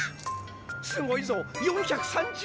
すごいぞ４３０円だ！